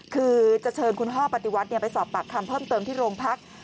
คือจะเชิญคุณพ่อปฏิวัติไปสอบปากคำเพิ่มเติมที่โรงพัก